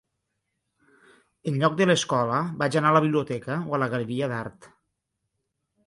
En lloc de l'escola vaig anar a la biblioteca o a la galeria d'art.